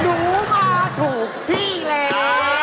หนูมาถูกพี่แหล่ะ